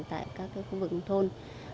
tại các khu vực nông thôn